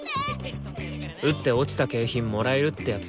撃って落ちた景品もらえるってやつ。